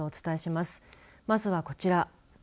まずは、こちら。